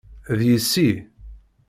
D yessi.